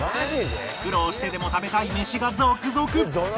苦労してでも食べたいメシが続々！